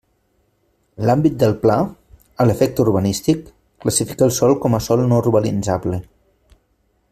L'àmbit del Pla, a l'efecte urbanístic, classifica el sòl com a sòl no urbanitzable.